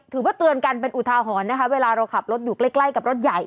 เตือนกันเป็นอุทาหรณ์นะคะเวลาเราขับรถอยู่ใกล้ใกล้กับรถใหญ่